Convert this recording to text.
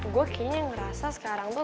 gue kayaknya ngerasa sekarang tuh